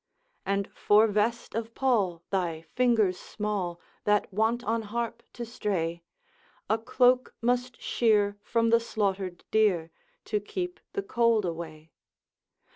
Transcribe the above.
'And for vest of pall, thy fingers small, That wont on harp to stray, A cloak must shear from the slaughtered deer, To keep the cold away.'